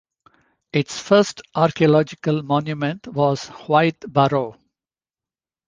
Its first archaeological monument was White Barrow.